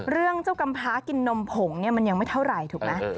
เรื่องเจ้ากำพากินนมผงเนี่ยมันยังไม่เท่าไหร่ถูกไหม